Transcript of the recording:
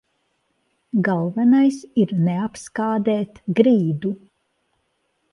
Galvenais ir neapskādēt grīdu.